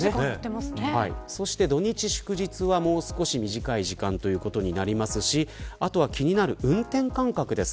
土日祝日はもう少し短い時間ということになりますし気になる運転間隔です。